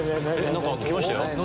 何か来ましたよ。